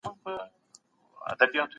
د مدرسو او جوماتونو لګښت د کومه کيده؟